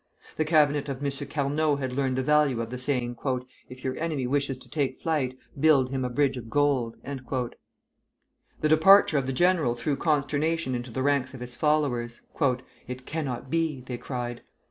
The Cabinet of M. Carnot had learned the value of the saying, "If your enemy wishes to take flight, build him a bridge of gold." The departure of the general threw consternation into the ranks of his followers. "It cannot be!" they cried.